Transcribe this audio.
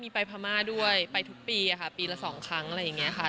มีไปพม่าด้วยไปทุกปีค่ะปีละ๒ครั้งอะไรอย่างนี้ค่ะ